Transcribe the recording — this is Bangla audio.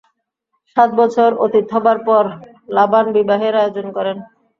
সাত বছর অতীত হবার পর লাবান বিবাহের আয়োজন করেন।